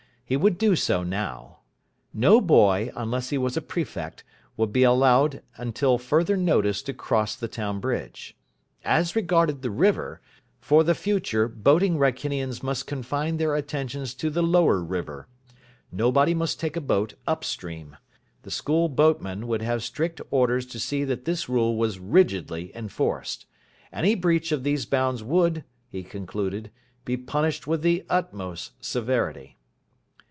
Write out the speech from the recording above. He would do so now. No boy, unless he was a prefect, would be allowed till further notice to cross the town bridge. As regarded the river, for the future boating Wrykinians must confine their attentions to the lower river. Nobody must take a boat up stream. The school boatman would have strict orders to see that this rule was rigidly enforced. Any breach of these bounds would, he concluded, be punished with the utmost severity.